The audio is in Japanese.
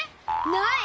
ない！